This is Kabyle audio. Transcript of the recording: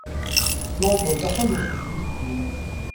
London d axxam-nsent wis sin.